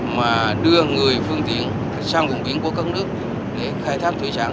mà đưa người phương tiện sang vùng biển của các nước để khai thác thủy sản